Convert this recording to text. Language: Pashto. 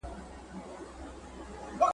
نه پلار ګوري نه خپلوان او نه تربرونه `